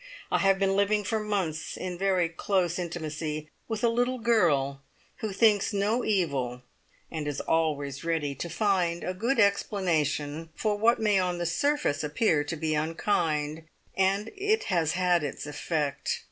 I have been living for months in very close intimacy with a little girl who thinks no evil, and is always ready to find a good explanation for what may on the surface appear to be unkind, and it has had its effect.